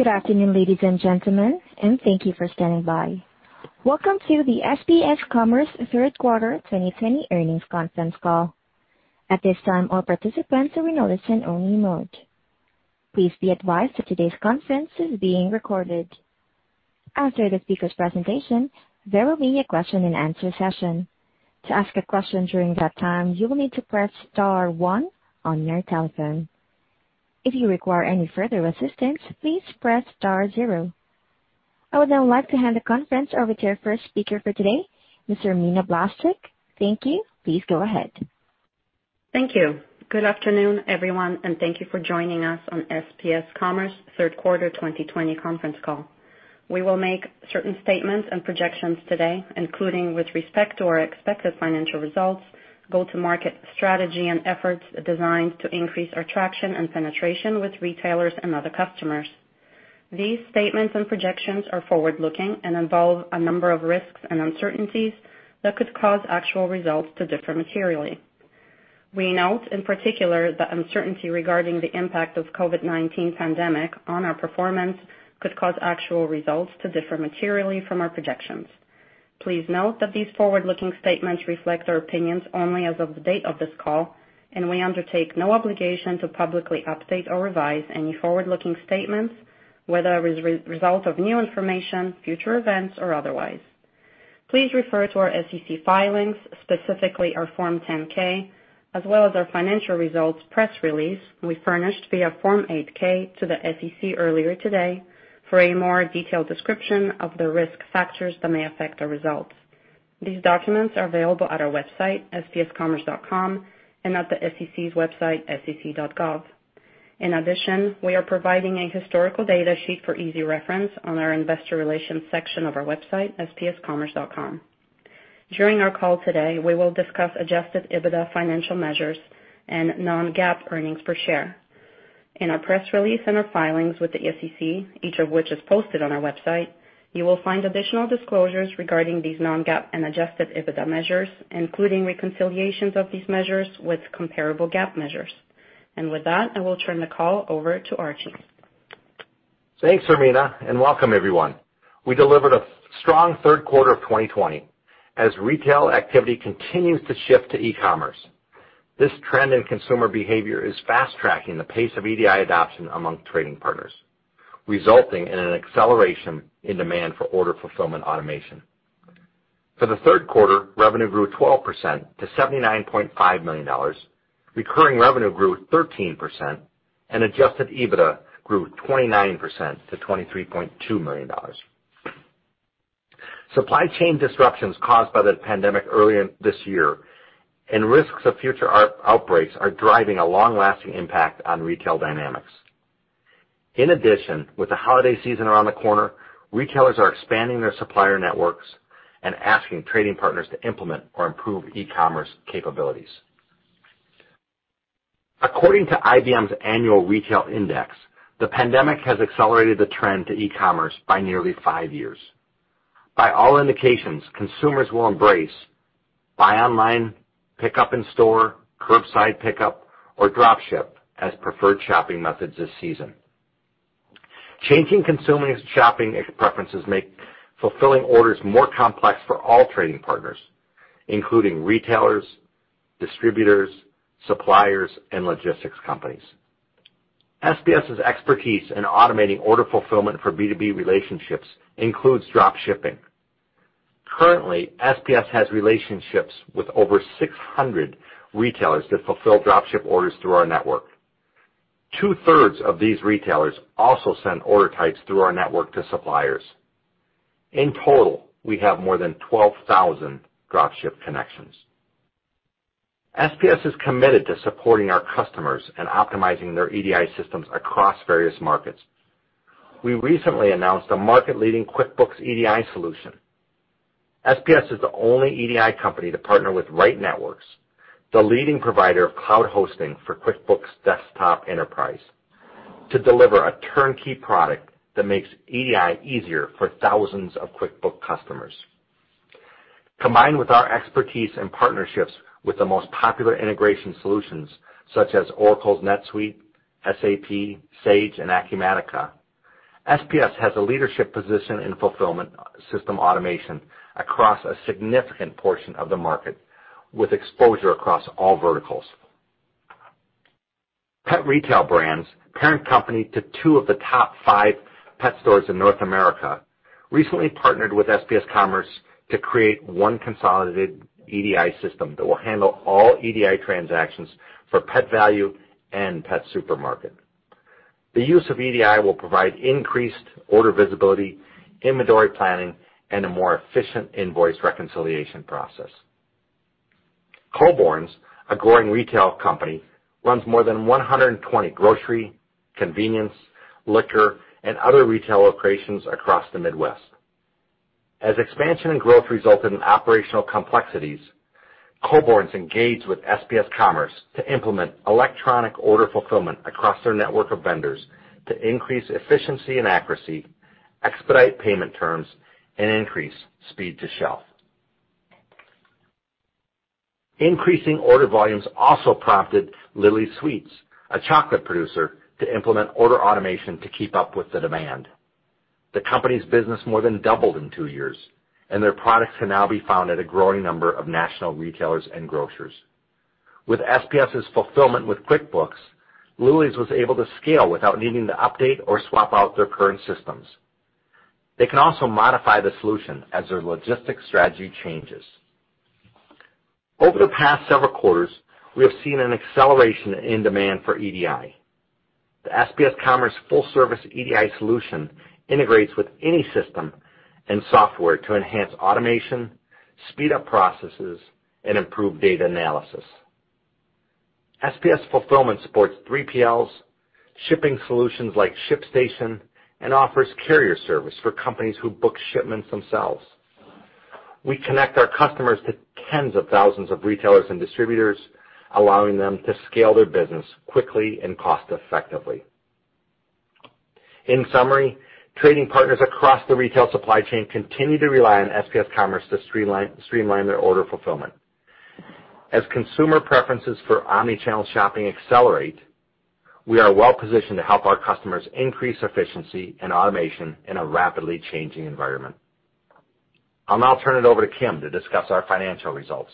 Good afternoon, ladies and gentlemen, thank you for standing by. Welcome to the SPS Commerce third quarter 2020 earnings conference call. At this time, all participants are in a listen-only mode. Please be advised that today's conference is being recorded. After the speaker's presentation, there will be a question and answer session. To ask a question during that time, you will need to press star one on your telephone. If you require any further assistance, please press star zero. I would now like to hand the conference over to our first speaker for today, Miss Irmina Blaszczyk. Thank you. Please go ahead. Thank you. Good afternoon, everyone, thank you for joining us on SPS Commerce third quarter 2020 conference call. We will make certain statements and projections today, including with respect to our expected financial results, go-to-market strategy, and efforts designed to increase our traction and penetration with retailers and other customers. These statements and projections are forward-looking and involve a number of risks and uncertainties that could cause actual results to differ materially. We note in particular that uncertainty regarding the impact of COVID-19 pandemic on our performance could cause actual results to differ materially from our projections. Please note that these forward-looking statements reflect our opinions only as of the date of this call, we undertake no obligation to publicly update or revise any forward-looking statements, whether as a result of new information, future events, or otherwise. Please refer to our SEC filings, specifically our Form 10-K, as well as our financial results press release we furnished via Form 8-K to the SEC earlier today for a more detailed description of the risk factors that may affect our results. These documents are available at our website, spscommerce.com, at the SEC's website, sec.gov. In addition, we are providing a historical data sheet for easy reference on our investor relations section of our website, spscommerce.com. During our call today, we will discuss adjusted EBITDA financial measures and non-GAAP earnings per share. In our press release, our filings with the SEC, each of which is posted on our website, you will find additional disclosures regarding these non-GAAP and adjusted EBITDA measures, including reconciliations of these measures with comparable GAAP measures. With that, I will turn the call over to Archie. Thanks, Irmina, welcome everyone. We delivered a strong third quarter of 2020 as retail activity continues to shift to e-commerce. This trend in consumer behavior is fast-tracking the pace of EDI adoption among trading partners, resulting in an acceleration in demand for order fulfillment automation. For the third quarter, revenue grew 12% to $79.5 million, recurring revenue grew 13%, adjusted EBITDA grew 29% to $23.2 million. Supply chain disruptions caused by the pandemic earlier this year and risks of future outbreaks are driving a long-lasting impact on retail dynamics. In addition, with the holiday season around the corner, retailers are expanding their supplier networks and asking trading partners to implement or improve e-commerce capabilities. According to IBM's annual retail index, the pandemic has accelerated the trend to e-commerce by nearly five years. By all indications, consumers will embrace buy online, pick up in store, curbside pickup, or drop ship as preferred shopping methods this season. Changing consumer shopping preferences make fulfilling orders more complex for all trading partners, including retailers, distributors, suppliers, and logistics companies. SPS's expertise in automating order fulfillment for B2B relationships includes drop shipping. Currently, SPS has relationships with over 600 retailers that fulfill drop ship orders through our network. Two-thirds of these retailers also send order types through our network to suppliers. In total, we have more than 12,000 drop ship connections. SPS is committed to supporting our customers and optimizing their EDI systems across various markets. We recently announced a market-leading QuickBooks EDI solution. SPS is the only EDI company to partner with Right Networks, the leading provider of cloud hosting for QuickBooks Desktop Enterprise, to deliver a turnkey product that makes EDI easier for thousands of QuickBooks customers. Combined with our expertise and partnerships with the most popular integration solutions such as Oracle's NetSuite, SAP, Sage, and Acumatica, SPS has a leadership position in fulfillment system automation across a significant portion of the market, with exposure across all verticals. Pet Retail Brands, parent company to two of the top five pet stores in North America, recently partnered with SPS Commerce to create one consolidated EDI system that will handle all EDI transactions for Pet Valu and Pet Supermarket. The use of EDI will provide increased order visibility, inventory planning, and a more efficient invoice reconciliation process. Coborn's, a growing retail company, runs more than 120 grocery, convenience, liquor, and other retail locations across the Midwest. As expansion and growth result in operational complexities, Coborn's engaged with SPS Commerce to implement electronic order fulfillment across their network of vendors to increase efficiency and accuracy, expedite payment terms, and increase speed to shelf. Increasing order volumes also prompted Lily's Sweets, a chocolate producer, to implement order automation to keep up with the demand. The company's business more than doubled in two years, and their products can now be found at a growing number of national retailers and grocers. With SPS' fulfillment with QuickBooks, Lily's was able to scale without needing to update or swap out their current systems. They can also modify the solution as their logistics strategy changes. Over the past several quarters, we have seen an acceleration in demand for EDI. The SPS Commerce full-service EDI solution integrates with any system and software to enhance automation, speed up processes, and improve data analysis. SPS Fulfillment supports 3PLs, shipping solutions like ShipStation, and offers carrier service for companies who book shipments themselves. We connect our customers to tens of thousands of retailers and distributors, allowing them to scale their business quickly and cost effectively. In summary, trading partners across the retail supply chain continue to rely on SPS Commerce to streamline their order fulfillment. As consumer preferences for omnichannel shopping accelerate, we are well-positioned to help our customers increase efficiency and automation in a rapidly changing environment. I'll now turn it over to Kim to discuss our financial results.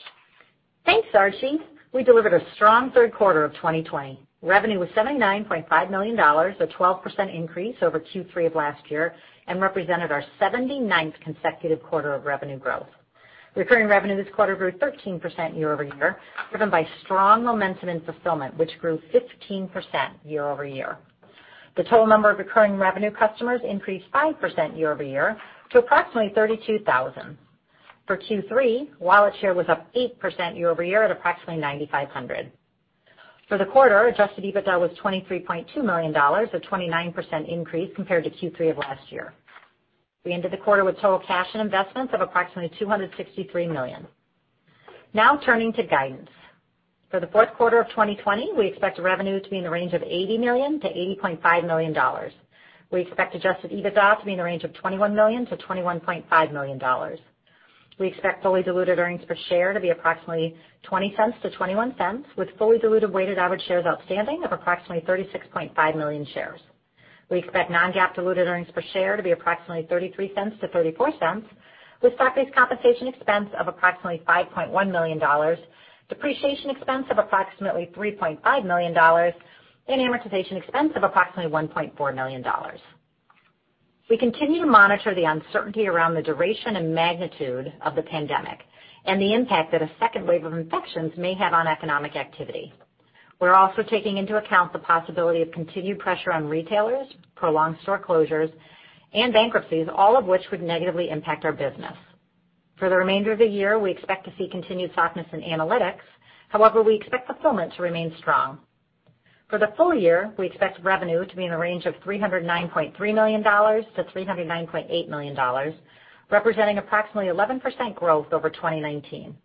Thanks, Archie. We delivered a strong third quarter of 2020. Revenue was $79.5 million, a 12% increase over Q3 of last year and represented our 79th consecutive quarter of revenue growth. Recurring revenue this quarter grew 13% year-over-year, driven by strong momentum in Fulfillment, which grew 15% year-over-year. The total number of recurring revenue customers increased 5% year-over-year to approximately 32,000. For Q3, wallet share was up 8% year-over-year at approximately 9,500. For the quarter, adjusted EBITDA was $23.2 million, a 29% increase compared to Q3 of last year. We ended the quarter with total cash and investments of approximately $263 million. Turning to guidance. For the fourth quarter of 2020, we expect revenue to be in the range of $80 million to $80.5 million. We expect adjusted EBITDA to be in the range of $21 million to $21.5 million. We expect fully diluted earnings per share to be approximately $0.20-$0.21, with fully diluted weighted average shares outstanding of approximately 36.5 million shares. We expect non-GAAP diluted earnings per share to be approximately $0.33-$0.34, with stock-based compensation expense of approximately $5.1 million, depreciation expense of approximately $3.5 million, and amortization expense of approximately $1.4 million. We continue to monitor the uncertainty around the duration and magnitude of the pandemic and the impact that a second wave of infections may have on economic activity. We are also taking into account the possibility of continued pressure on retailers, prolonged store closures, and bankruptcies, all of which would negatively impact our business. For the remainder of the year, we expect to see continued softness in analytics. We expect Fulfillment to remain strong. For the full year, we expect revenue to be in the range of $309.3 million to $309.8 million, representing approximately 11% growth over 2019.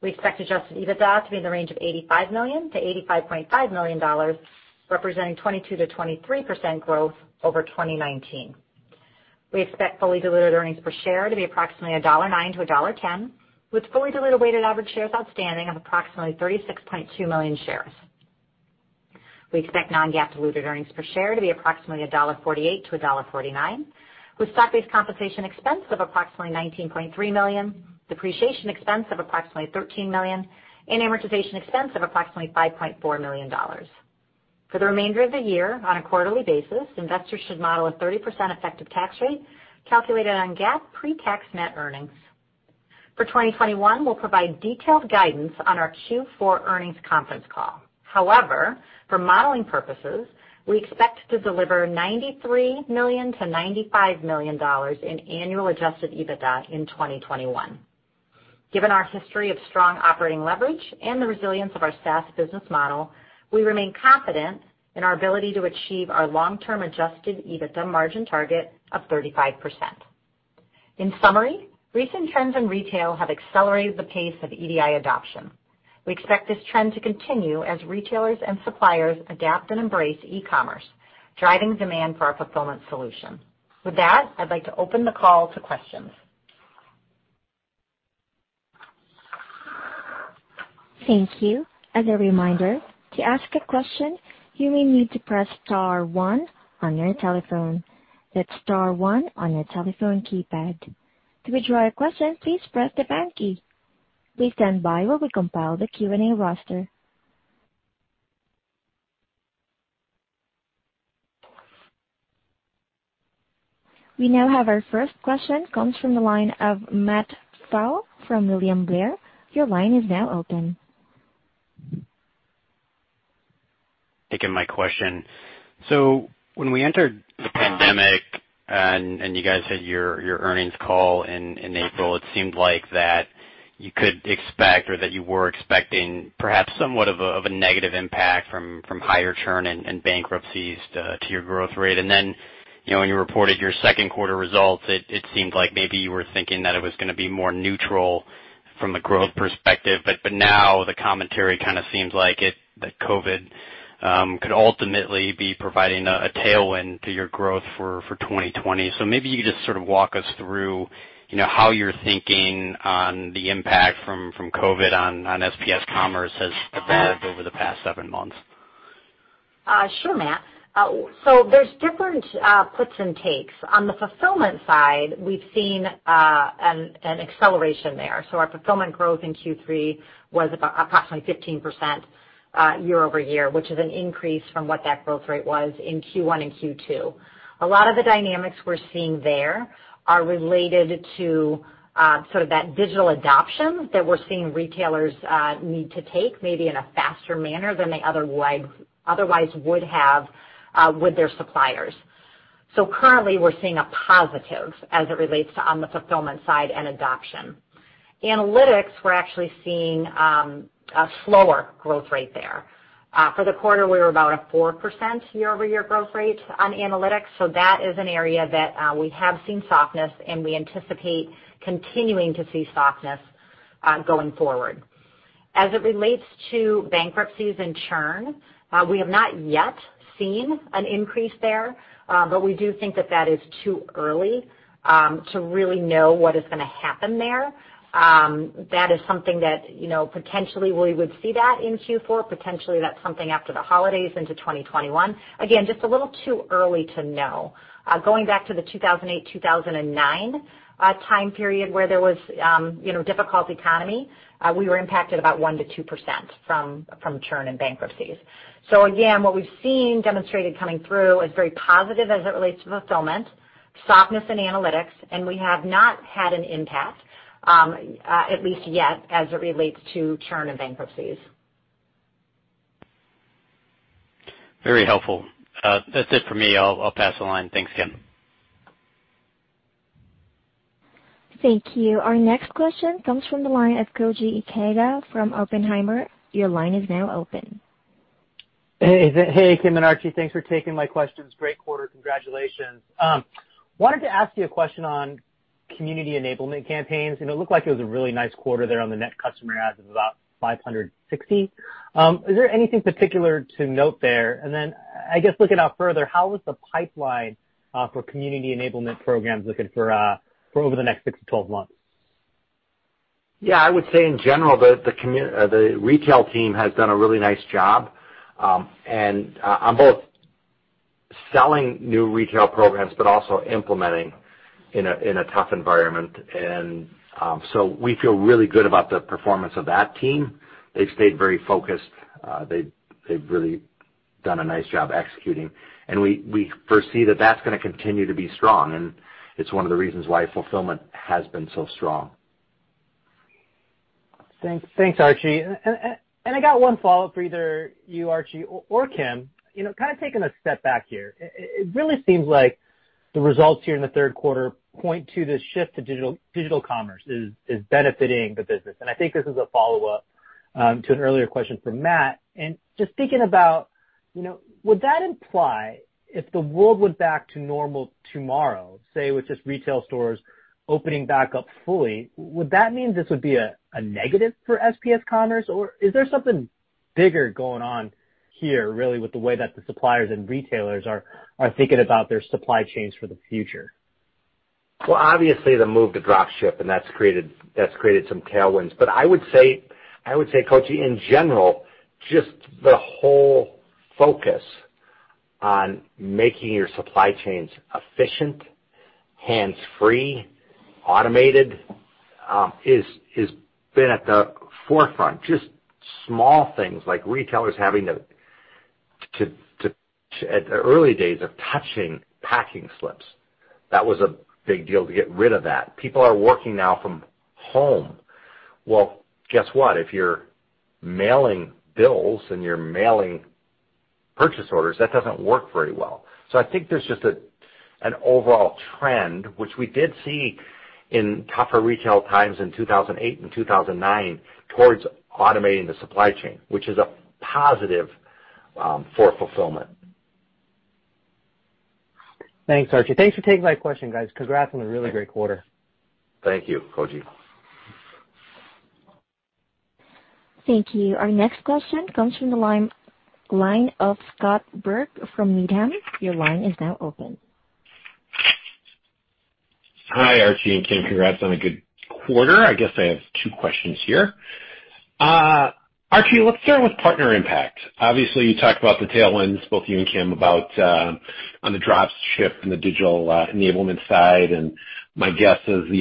We expect adjusted EBITDA to be in the range of $85 million to $85.5 million, representing 22%-23% growth over 2019. We expect fully diluted earnings per share to be approximately $1.09-$1.10, with fully diluted weighted average shares outstanding of approximately 36.2 million shares. We expect non-GAAP diluted earnings per share to be approximately $1.48-$1.49, with stock-based compensation expense of approximately $19.3 million, depreciation expense of approximately $13 million, and amortization expense of approximately $5.4 million. For the remainder of the year, on a quarterly basis, investors should model a 30% effective tax rate calculated on GAAP pre-tax net earnings. For 2021, we will provide detailed guidance on our Q4 earnings conference call. For modeling purposes, we expect to deliver $93 million-$95 million in annual adjusted EBITDA in 2021. Given our history of strong operating leverage and the resilience of our SaaS business model, we remain confident in our ability to achieve our long-term adjusted EBITDA margin target of 35%. Recent trends in retail have accelerated the pace of EDI adoption. We expect this trend to continue as retailers and suppliers adapt and embrace e-commerce, driving demand for our Fulfillment solution. I would like to open the call to questions. Thank you. As a reminder, to ask a question, you may need to press star one on your telephone. That's star one on your telephone keypad. To withdraw your question, please press the pound key. Please stand by while we compile the Q&A roster. We now have our first question, comes from the line of Matthew Fowle from William Blair. Your line is now open. Thank you. My question. When we entered the pandemic and you guys had your earnings call in April, it seemed like that you could expect or that you were expecting perhaps somewhat of a negative impact from higher churn and bankruptcies to your growth rate. When you reported your second quarter results, it seemed like maybe you were thinking that it was going to be more neutral from a growth perspective, now the commentary kind of seems like that COVID could ultimately be providing a tailwind to your growth for 2020. Maybe you could just sort of walk us through how you're thinking on the impact from COVID on SPS Commerce has evolved over the past seven months. Sure, Matt. There's different puts and takes. On the fulfillment side, we've seen an acceleration there. Our fulfillment growth in Q3 was approximately 15% year-over-year, which is an increase from what that growth rate was in Q1 and Q2. A lot of the dynamics we're seeing there are related to sort of that digital adoption that we're seeing retailers need to take maybe in a faster manner than they otherwise would have with their suppliers. Currently, we're seeing a positive as it relates to on the fulfillment side and adoption. Analytics, we're actually seeing a slower growth rate there. For the quarter, we were about a 4% year-over-year growth rate on analytics, that is an area that we have seen softness, and we anticipate continuing to see softness going forward. As it relates to bankruptcies and churn, we have not yet seen an increase there, we do think that that is too early to really know what is going to happen there. That is something that potentially we would see that in Q4, potentially that's something after the holidays into 2021. Again, just a little too early to know. Going back to the 2008, 2009 time period where there was difficult economy, we were impacted about 1%-2% from churn and bankruptcies. Again, what we've seen demonstrated coming through is very positive as it relates to fulfillment, softness in analytics, and we have not had an impact, at least yet as it relates to churn and bankruptcies. Very helpful. That's it for me. I'll pass the line. Thanks, Kim. Thank you. Our next question comes from the line of Koji Ikeda from Oppenheimer. Your line is now open. Hey, Kim and Archie, thanks for taking my questions. Great quarter. Congratulations. Wanted to ask you a question on community enablement campaigns. It looked like it was a really nice quarter there on the net customer adds of about 560. Is there anything particular to note there? I guess looking out further, how is the pipeline for community enablement programs looking for over the next six to 12 months? Yeah, I would say in general, the retail team has done a really nice job on both selling new retail programs but also implementing in a tough environment. We feel really good about the performance of that team. They've stayed very focused. They've really done a nice job executing, and we foresee that that's going to continue to be strong, and it's one of the reasons why fulfillment has been so strong. Thanks, Archie. I got one follow-up for either you, Archie, or Kim. Kind of taking a step back here, it really seems like the results here in the third quarter point to the shift to digital commerce is benefiting the business, and I think this is a follow-up to an earlier question from Matt. Just thinking about, would that imply if the world went back to normal tomorrow, say, with just retail stores opening back up fully, would that mean this would be a negative for SPS Commerce? Is there something bigger going on here, really, with the way that the suppliers and retailers are thinking about their supply chains for the future? Well, obviously the move to drop ship, that's created some tailwinds. I would say, Koji, in general, just the whole focus on making your supply chains efficient, hands-free, automated has been at the forefront. Just small things like retailers having to, at the early days, of touching packing slips. That was a big deal to get rid of that. People are working now from home. Well, guess what? If you're mailing bills and you're mailing purchase orders, that doesn't work very well. I think there's just an overall trend, which we did see in tougher retail times in 2008 and 2009 towards automating the supply chain, which is a positive for fulfillment. Thanks, Archie. Thanks for taking my question, guys. Congrats on a really great quarter. Thank you, Koji. Thank you. Our next question comes from the line of Scott Berg from Needham. Your line is now open. Hi, Archie and Kim. Congrats on a good quarter. I guess I have two questions here. Archie, let's start with partner impact. Obviously, you talked about the tailwinds, both you and Kim, about on the drop ship and the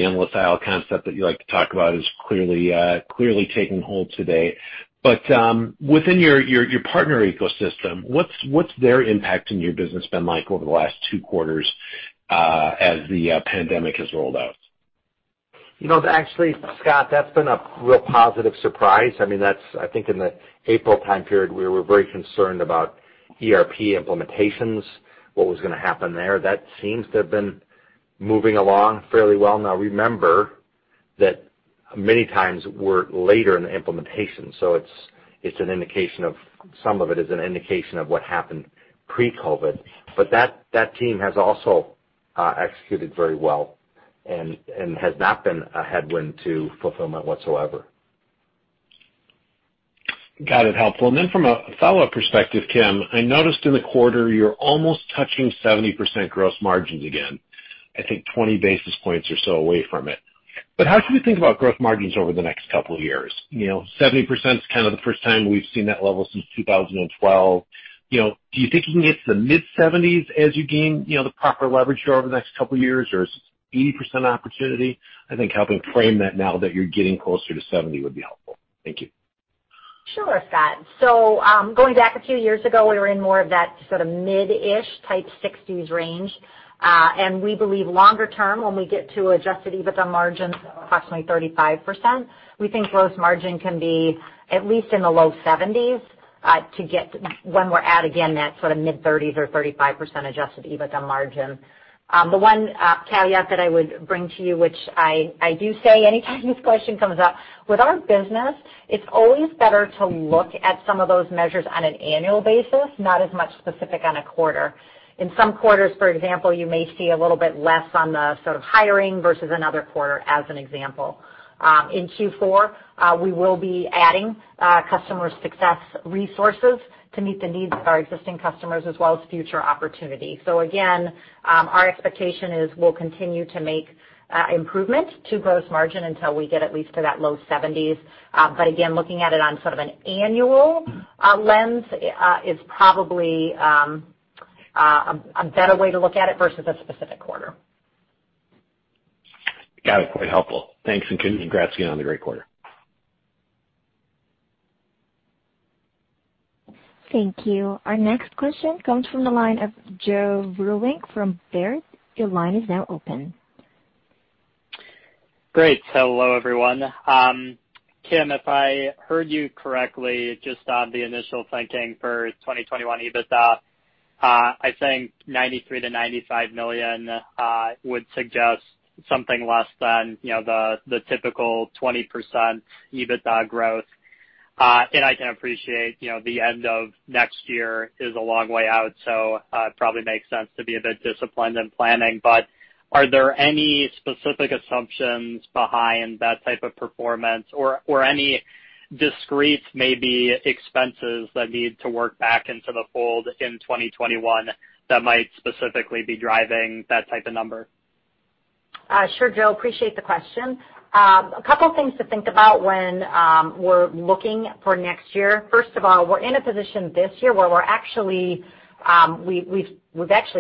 endless aisle concept that you like to talk about is clearly taking hold today. Within your partner ecosystem, what's their impact in your business been like over the last two quarters as the pandemic has rolled out? Actually, Scott, that's been a real positive surprise. I think in the April time period, we were very concerned about ERP implementations, what was going to happen there. That seems to have been moving along fairly well. Now, remember that many times we're later in the implementation, so some of it is an indication of what happened pre-COVID. That team has also executed very well and has not been a headwind to fulfillment whatsoever. Got it. Helpful. Then from a follow-up perspective, Kim, I noticed in the quarter you're almost touching 70% gross margins again, I think 20 basis points or so away from it. How should we think about growth margins over the next couple of years? 70% is kind of the first time we've seen that level since 2012. Do you think you can get to the mid-70s as you gain the proper leverage over the next couple of years, or is this 80% opportunity? I think helping frame that now that you're getting closer to 70 would be helpful. Thank you. Sure, Scott. Going back a few years ago, we were in more of that sort of mid-ish type 60s range. We believe longer term, when we get to adjusted EBITDA margins of approximately 35%, we think gross margin can be at least in the low 70s, when we're at, again, that sort of mid-30s or 35% adjusted EBITDA margin. The one caveat that I would bring to you, which I do say anytime this question comes up, with our business, it's always better to look at some of those measures on an annual basis, not as much specific on a quarter. In some quarters, for example, you may see a little bit less on the sort of hiring versus another quarter, as an example. In Q4, we will be adding customer success resources to meet the needs of our existing customers as well as future opportunity. Again, our expectation is we'll continue to make improvement to gross margin until we get at least to that low 70s. Again, looking at it on sort of an annual lens is probably a better way to look at it versus a specific quarter. Got it. Quite helpful. Thanks, and congrats again on the great quarter. Thank you. Our next question comes from the line of Joe Vruwink from Baird. Your line is now open. Great. Hello, everyone. Kim, if I heard you correctly, just on the initial thinking for 2021 EBITDA, I think $93 million-$95 million would suggest something less than the typical 20% EBITDA growth. I can appreciate the end of next year is a long way out, so it probably makes sense to be a bit disciplined in planning. Are there any specific assumptions behind that type of performance or any discrete, maybe, expenses that need to work back into the fold in 2021 that might specifically be driving that type of number? Sure, Joe, appreciate the question. A couple things to think about when we're looking for next year. First of all, we're in a position this year where we've actually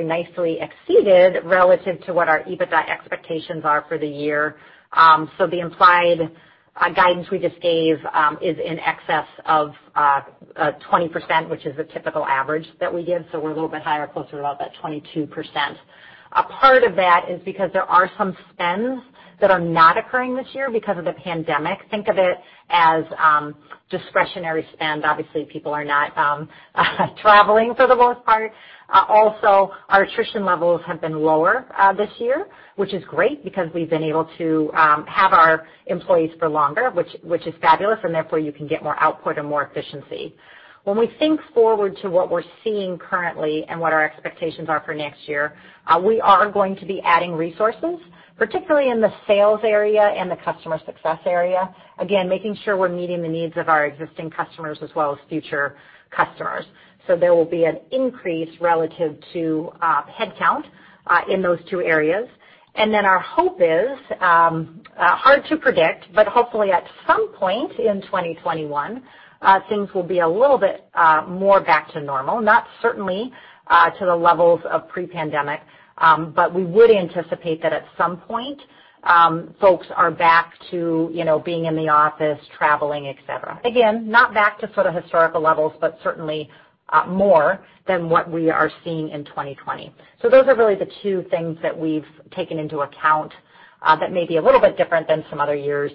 nicely exceeded relative to what our EBITDA expectations are for the year. The implied guidance we just gave is in excess of 20%, which is the typical average that we give. We're a little bit higher, closer to about that 22%. A part of that is because there are some spends that are not occurring this year because of the pandemic. Think of it as discretionary spend. Obviously, people are not traveling for the most part. Also, our attrition levels have been lower this year, which is great because we've been able to have our employees for longer, which is fabulous, and therefore you can get more output and more efficiency. When we think forward to what we're seeing currently and what our expectations are for next year, we are going to be adding resources, particularly in the sales area and the customer success area. Again, making sure we're meeting the needs of our existing customers as well as future customers. There will be an increase relative to headcount in those two areas. Our hope is, hard to predict, but hopefully at some point in 2021, things will be a little bit more back to normal. Not certainly to the levels of pre-pandemic, but we would anticipate that at some point, folks are back to being in the office, traveling, et cetera. Again, not back to sort of historical levels, but certainly more than what we are seeing in 2020. Those are really the two things that we've taken into account that may be a little bit different than some other years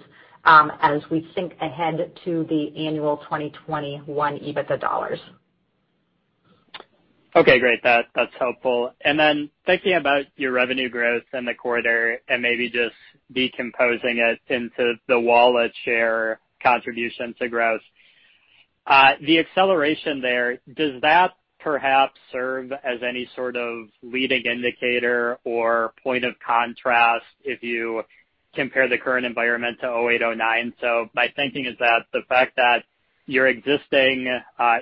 as we think ahead to the annual 2021 EBITDA dollars. Okay, great. That's helpful. Thinking about your revenue growth in the quarter and maybe just decomposing it into the wallet share contribution to growth. The acceleration there, does that perhaps serve as any sort of leading indicator or point of contrast if you compare the current environment to 2008, 2009? My thinking is that the fact that your existing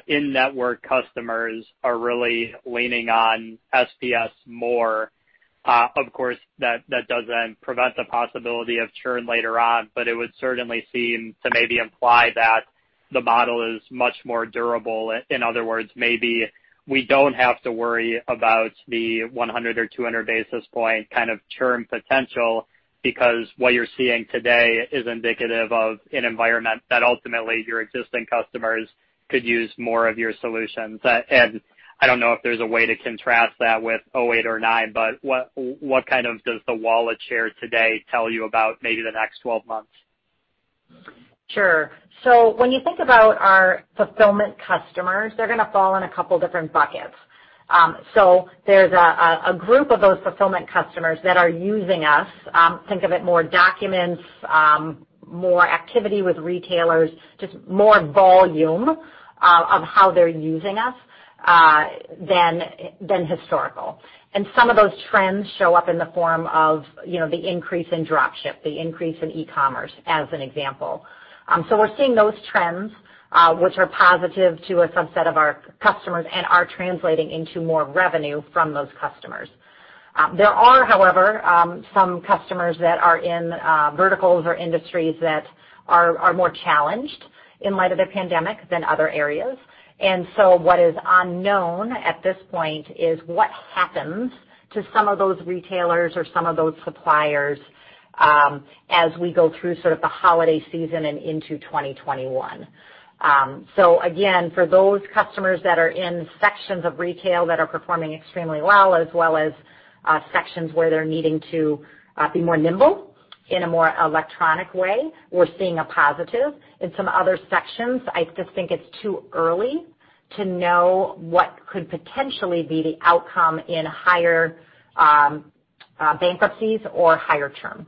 in-network customers are really leaning on SPS more, of course, that doesn't prevent the possibility of churn later on, but it would certainly seem to maybe imply that the model is much more durable. In other words, maybe we don't have to worry about the 100 or 200 basis point kind of churn potential because what you're seeing today is indicative of an environment that ultimately your existing customers could use more of your solutions. I don't know if there's a way to contrast that with 2008 or 2009, but what kind of does the wallet share today tell you about maybe the next 12 months? Sure. When you think about our fulfillment customers, they're going to fall in a couple different buckets. There's a group of those fulfillment customers that are using us. Think of it more documents, more activity with retailers, just more volume of how they're using us than historical. Some of those trends show up in the form of the increase in drop ship, the increase in e-commerce, as an example. We're seeing those trends, which are positive to a subset of our customers and are translating into more revenue from those customers. There are, however, some customers that are in verticals or industries that are more challenged in light of the pandemic than other areas. What is unknown at this point is what happens to some of those retailers or some of those suppliers as we go through sort of the holiday season and into 2021. Again, for those customers that are in sections of retail that are performing extremely well, as well as sections where they're needing to be more nimble in a more electronic way, we're seeing a positive. In some other sections, I just think it's too early to know what could potentially be the outcome in higher bankruptcies or higher churn.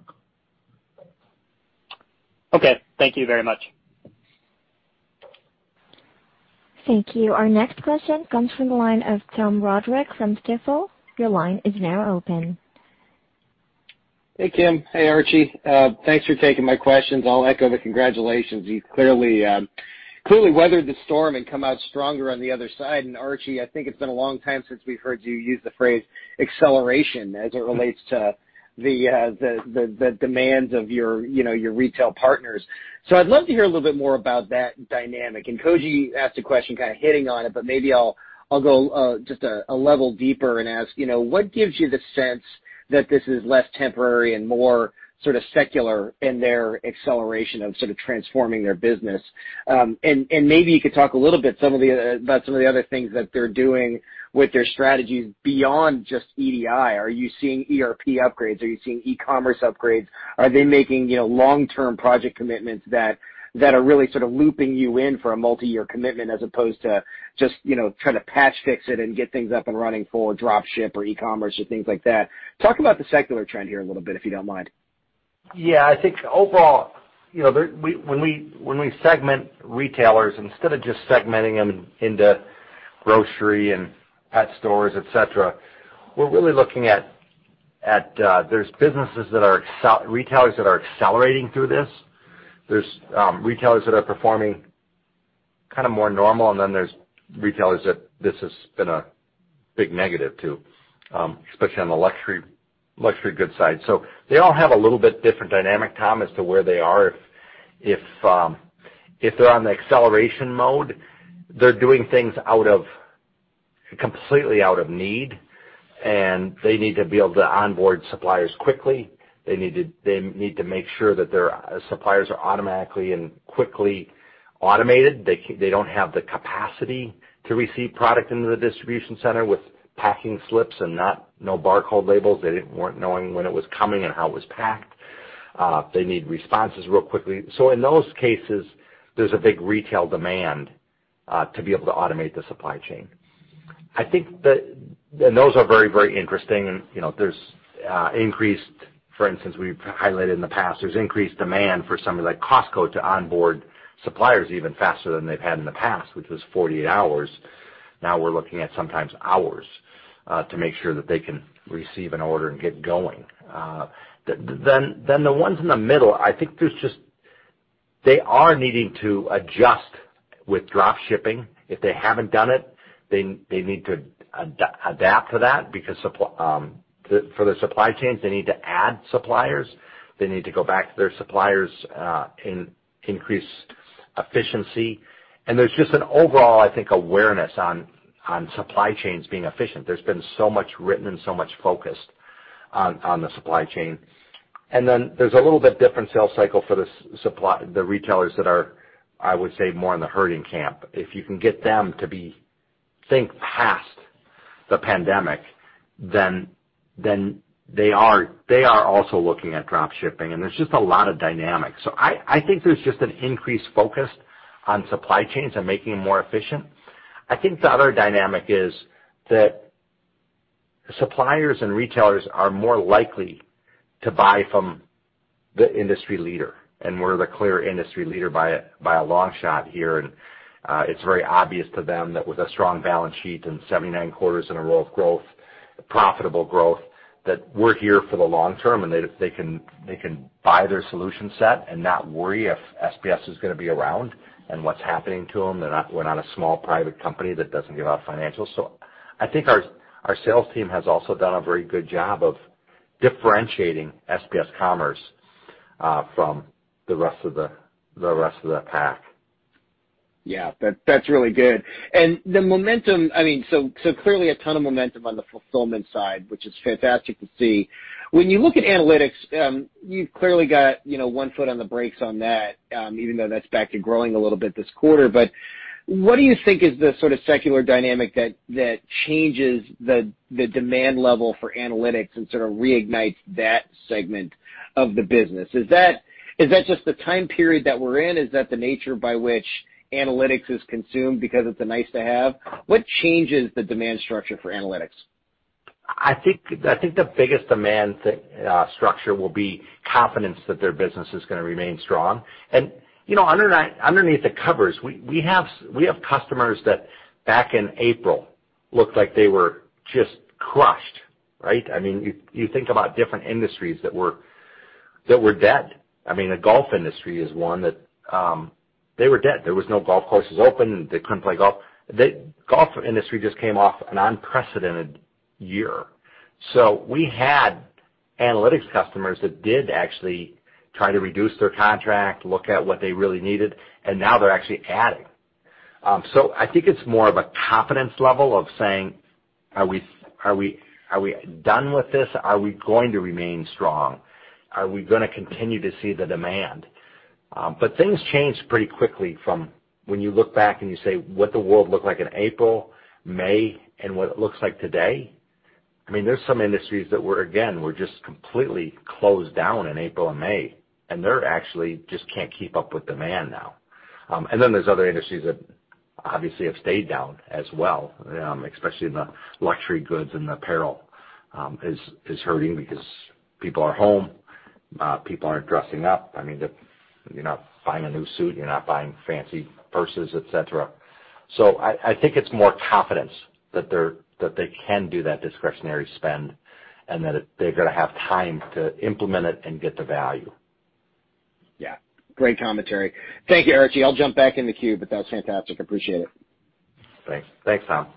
Okay. Thank you very much. Thank you. Our next question comes from the line of Tom Roderick from Stifel. Your line is now open. Hey, Kim. Hey, Archie. Thanks for taking my questions. I'll echo the congratulations. You've clearly weathered the storm and come out stronger on the other side. Archie, I think it's been a long time since we've heard you use the phrase acceleration as it relates to the demands of your retail partners. I'd love to hear a little bit more about that dynamic. Koji asked a question kind of hitting on it, but maybe I'll go just a level deeper and ask, what gives you the sense that this is less temporary and more sort of secular in their acceleration of sort of transforming their business? Maybe you could talk a little bit about some of the other things that they're doing with their strategies beyond just EDI. Are you seeing ERP upgrades? Are you seeing e-commerce upgrades? Are they making long-term project commitments that are really sort of looping you in for a multi-year commitment as opposed to just trying to patch fix it and get things up and running for drop ship or e-commerce or things like that? Talk about the secular trend here a little bit, if you don't mind. I think overall, when we segment retailers, instead of just segmenting them into grocery and pet stores, et cetera, we're really looking at there's retailers that are accelerating through this. There's retailers that are performing kind of more normal, and then there's retailers that this has been a big negative too, especially on the luxury goods side. They all have a little bit different dynamic, Tom, as to where they are. If they're on the acceleration mode, they're doing things completely out of need, and they need to be able to onboard suppliers quickly. They need to make sure that their suppliers are automatically and quickly automated. They don't have the capacity to receive product into the distribution center with packing slips and no barcode labels. They weren't knowing when it was coming and how it was packed. They need responses real quickly. In those cases, there's a big retail demand to be able to automate the supply chain. Those are very, very interesting. For instance, we've highlighted in the past, there's increased demand for somebody like Costco to onboard suppliers even faster than they've had in the past, which was 48 hours. Now we're looking at sometimes hours to make sure that they can receive an order and get going. The ones in the middle, I think they are needing to adjust with drop shipping. If they haven't done it, they need to adapt to that because for the supply chains, they need to add suppliers. They need to go back to their suppliers and increase efficiency. There's just an overall, I think, awareness on supply chains being efficient. There's been so much written and so much focused on the supply chain. There's a little bit different sales cycle for the retailers that are, I would say, more in the hurting camp. If you can get them to think past the pandemic, then they are also looking at drop shipping. There's just a lot of dynamics. I think there's just an increased focus on supply chains and making them more efficient. I think the other dynamic is that suppliers and retailers are more likely to buy from the industry leader, and we're the clear industry leader by a long shot here. It's very obvious to them that with a strong balance sheet and 79 quarters in a row of profitable growth, that we're here for the long term, and they can buy their solution set and not worry if SPS is going to be around and what's happening to them. We're not a small private company that doesn't give out financials. I think our sales team has also done a very good job of differentiating SPS Commerce from the rest of the pack. Yeah. That's really good. The momentum, so clearly a ton of momentum on the fulfillment side, which is fantastic to see. When you look at analytics, you've clearly got one foot on the brakes on that, even though that's back to growing a little bit this quarter. What do you think is the sort of secular dynamic that changes the demand level for analytics and sort of reignites that segment of the business? Is that just the time period that we're in? Is that the nature by which analytics is consumed because it's a nice-to-have? What changes the demand structure for analytics? I think the biggest demand structure will be confidence that their business is going to remain strong. Underneath the covers, we have customers that back in April looked like they were just crushed, right? You think about different industries that were dead. The golf industry is one that they were dead. There was no golf courses open. They couldn't play golf. The golf industry just came off an unprecedented year. We had analytics customers that did actually try to reduce their contract, look at what they really needed, and now they're actually adding. I think it's more of a confidence level of saying, "Are we done with this? Are we going to remain strong? Are we going to continue to see the demand?" Things change pretty quickly from when you look back and you say what the world looked like in April, May, and what it looks like today. There's some industries that were just completely closed down in April and May, and they're actually just can't keep up with demand now. There's other industries that obviously have stayed down as well, especially in the luxury goods and apparel is hurting because people are home. People aren't dressing up. You're not buying a new suit, you're not buying fancy purses, et cetera. I think it's more confidence that they can do that discretionary spend and that they're going to have time to implement it and get the value. Yeah. Great commentary. Thank you, Archie. I'll jump back in the queue, that was fantastic. Appreciate it. Thanks. Thanks, Tom.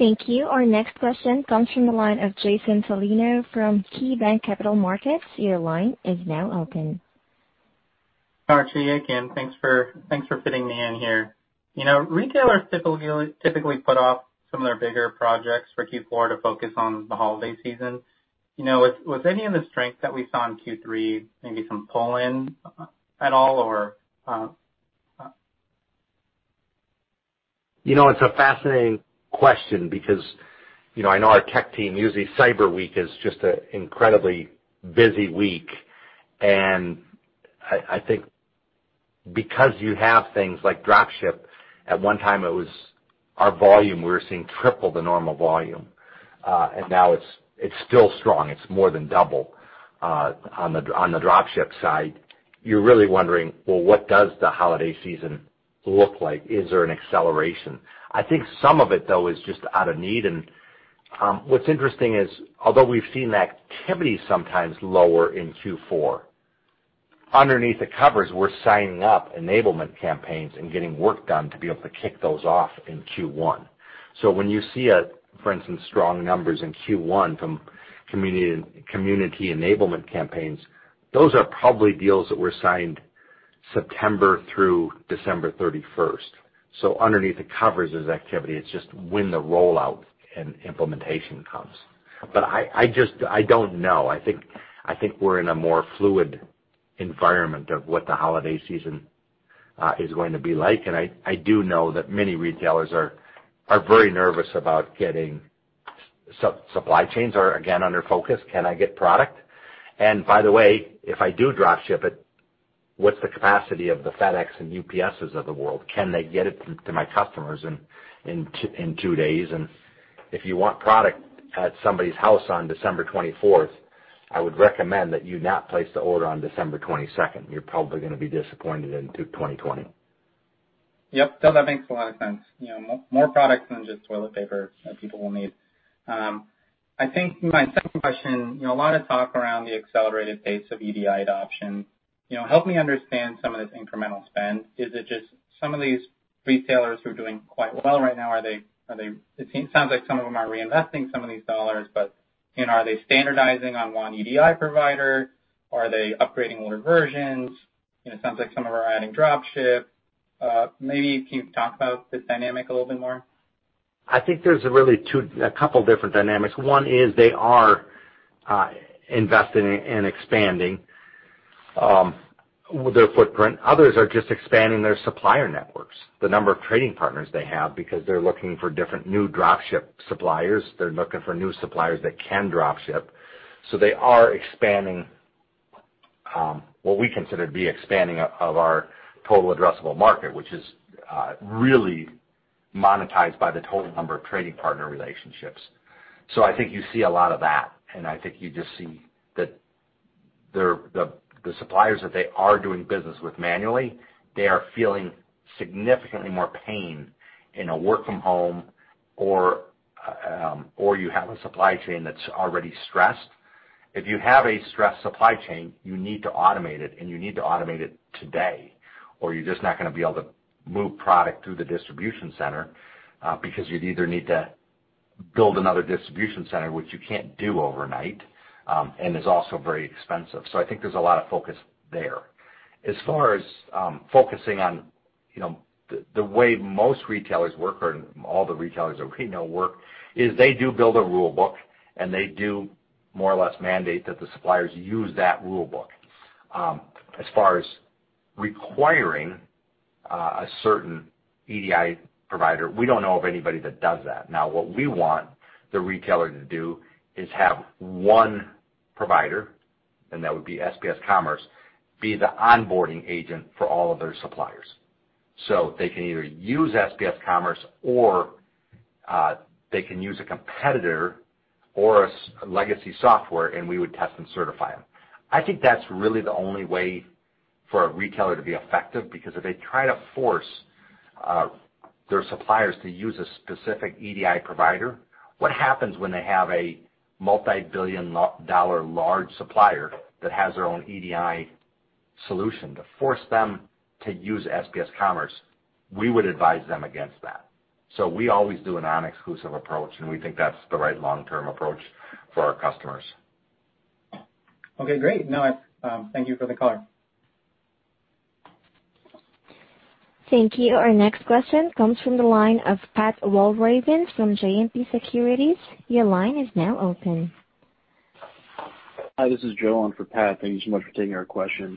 Thank you. Our next question comes from the line of Jason Celino from KeyBanc Capital Markets. Your line is now open. Archie, again, thanks for fitting me in here. Retailers typically put off some of their bigger projects for Q4 to focus on the holiday season. Was any of the strength that we saw in Q3, maybe some pull-in at all, or? It's a fascinating question because I know our tech team, usually Cyber Week is just a incredibly busy week, and I think because you have things like drop ship, at one time it was our volume, we were seeing triple the normal volume. Now it's still strong. It's more than double on the drop ship side. You're really wondering, well, what does the holiday season look like? Is there an acceleration? I think some of it, though, is just out of need, and what's interesting is although we've seen activity sometimes lower in Q4, underneath the covers, we're signing up enablement campaigns and getting work done to be able to kick those off in Q1. When you see, for instance, strong numbers in Q1 from community enablement campaigns, those are probably deals that were signed September through December 31st. Underneath the covers is activity. It's just when the rollout and implementation comes. I don't know. I think we're in a more fluid environment of what the holiday season is going to be like. I do know that many retailers are very nervous about getting. Supply chains are again under focus. Can I get product? By the way, if I do drop ship it, what's the capacity of the FedEx and UPS' of the world? Can they get it to my customers in 2 days? If you want product at somebody's house on December 24th, I would recommend that you not place the order on December 22nd. You're probably going to be disappointed in 2020. Yep. No, that makes a lot of sense. More products than just toilet paper that people will need. I think my second question, a lot of talk around the accelerated pace of EDI adoption. Help me understand some of this incremental spend. Is it just some of these retailers who are doing quite well right now? It sounds like some of them are reinvesting some of these dollars, but are they standardizing on one EDI provider? Are they upgrading older versions? It sounds like some of them are adding drop ship. Maybe can you talk about this dynamic a little bit more? I think there's really a couple different dynamics. One is they are investing in expanding their footprint. Others are just expanding their supplier networks, the number of trading partners they have, because they're looking for different new drop ship suppliers. They're looking for new suppliers that can drop ship. They are expanding what we consider to be expanding of our total addressable market, which is really monetized by the total number of trading partner relationships. I think you see a lot of that, I think you just see that the suppliers that they are doing business with manually, they are feeling significantly more pain in a work from home or you have a supply chain that's already stressed. If you have a stressed supply chain, you need to automate it, and you need to automate it today, or you're just not going to be able to move product through the distribution center, because you'd either need to build another distribution center, which you can't do overnight, and is also very expensive. I think there's a lot of focus there. As far as focusing on the way most retailers work, or all the retailers that we know work, is they do build a rule book, and they do more or less mandate that the suppliers use that rule book. As far as a certain EDI provider, we don't know of anybody that does that. What we want the retailer to do is have one provider, and that would be SPS Commerce, be the onboarding agent for all of their suppliers. They can either use SPS Commerce, or they can use a competitor or a legacy software, and we would test and certify them. I think that's really the only way for a retailer to be effective, because if they try to force their suppliers to use a specific EDI provider, what happens when they have a multi-billion dollar large supplier that has their own EDI solution to force them to use SPS Commerce? We would advise them against that. We always do a non-exclusive approach, and we think that's the right long-term approach for our customers. Okay, great. No, thank you for the color. Thank you. Our next question comes from the line of Patrick Walravens from JMP Securities. Your line is now open. Hi, this is Joe on for Pat. Thank you so much for taking our question.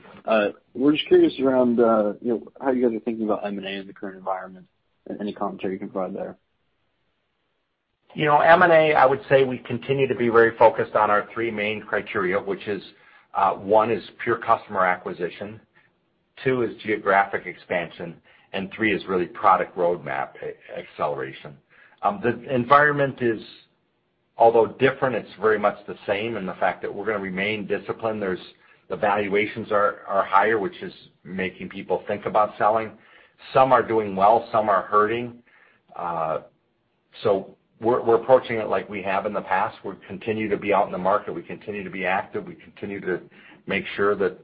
We're just curious around how you guys are thinking about M&A in the current environment and any commentary you can provide there. M&A, I would say we continue to be very focused on our 3 main criteria, which is, 1 is pure customer acquisition, 2 is geographic expansion, and 3 is really product roadmap acceleration. The environment is, although different, it's very much the same in the fact that we're going to remain disciplined. The valuations are higher, which is making people think about selling. Some are doing well, some are hurting. We're approaching it like we have in the past. We continue to be out in the market. We continue to be active. We continue to make sure that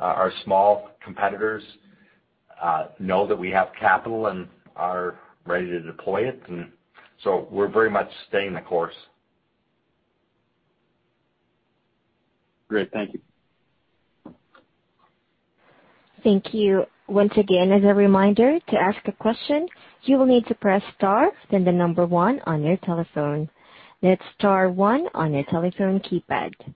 our small competitors know that we have capital and are ready to deploy it. We're very much staying the course. Great. Thank you. Thank you. Once again, as a reminder, to ask a question, you will need to press star, then the number 1 on your telephone. That's star 1 on your telephone keypad. Thank you,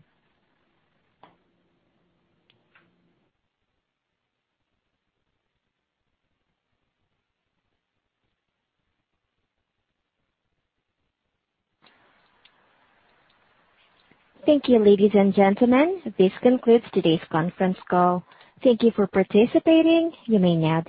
ladies and gentlemen. This concludes today's conference call. Thank you for participating. You may now disconnect.